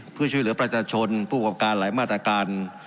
เพื่อช่วยเหลือประชาชนผู้ประกอบการหลายมาตรการ